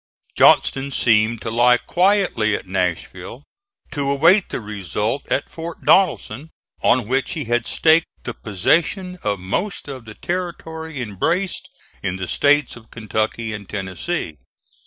Johnston seemed to lie quietly at Nashville to await the result at Fort Donelson, on which he had staked the possession of most of the territory embraced in the States of Kentucky and Tennessee.